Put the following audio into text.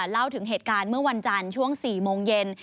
เล่าถึงเหตุการณ์เมื่อวันจันทร์ช่วง๔โมงเย็น